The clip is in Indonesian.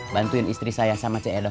bantuin istri saya sama cewek